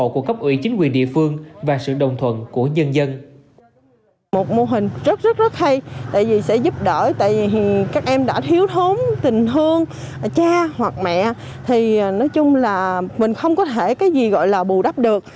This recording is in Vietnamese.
các em đã thiếu thốn tình hương cha hoặc mẹ thì nói chung là mình không có thể cái gì gọi là bù đắp được